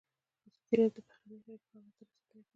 ازادي راډیو د بهرنۍ اړیکې حالت ته رسېدلي پام کړی.